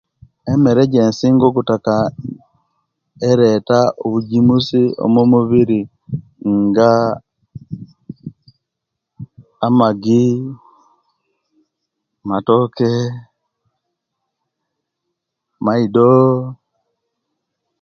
Emere ejensinga okutaka ereta obujimusi omubiri nga amagi, amatoke, maido